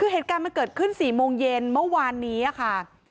คือเหตุการณ์มันเกิดขึ้น๔โมงเย็นเมื่อวานนี้ค่ะ